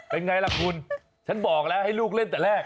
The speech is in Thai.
เป็นไงล่ะคุณฉันบอกแล้วให้ลูกเล่นแต่แรก